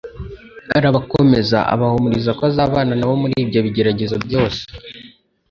Arabakomeza, abahumuriza ko azabana na bo muri ibyo bigeragezo byose.